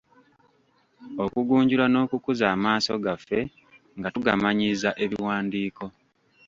Okugunjula n'okukuza amaaso gaffe nga tugamanyiiza ebiwandiiko.